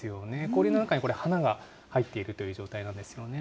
氷の中に花が入っているという状態なんですよね。